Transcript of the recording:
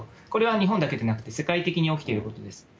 これは日本だけでなくて、世界的に起きていることです。